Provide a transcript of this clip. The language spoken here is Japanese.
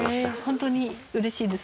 本当にうれしいです。